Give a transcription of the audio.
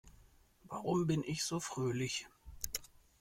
Warum bin ich so fröhlich?